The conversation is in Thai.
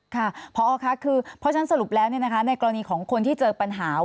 ค่ะพอค่ะคือเพราะฉะนั้นสรุปแล้วในกรณีของคนที่เจอปัญหา